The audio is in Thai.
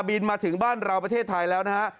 บินมาถึงบ้านเราประเทศไทยแล้วนะครับ